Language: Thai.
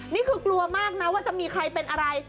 นี่คือกลัวมากนะว่าจะมีใครเป็นอะไร